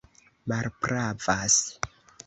malpravas